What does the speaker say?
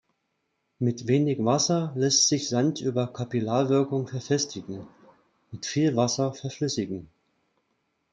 Mit wenig Wasser lässt sich Sand über Kapillarwirkung verfestigen, mit viel Wasser verflüssigen.